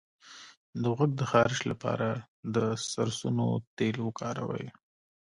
د غوږ د خارش لپاره د سرسونو تېل وکاروئ